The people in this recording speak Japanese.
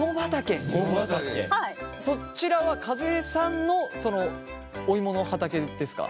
そちらは和江さんのお芋の畑ですか？